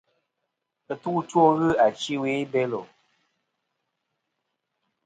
Ɨtu ' two ghɨ achi ɨwe i Belo.